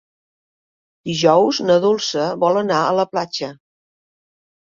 Dijous na Dolça vol anar a la platja.